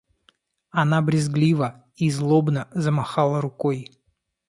Она брезгливо и злобно замахала рукой.